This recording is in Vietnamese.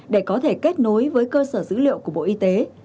để có thể kết nối với cơ sở dữ liệu của bộ y tế